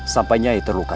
sampai nyai terluka